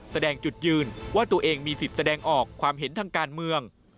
แสดงจุดยืนว่าตัวเองมีสิทธิ์แสดงออกความเห็นทางการเมือง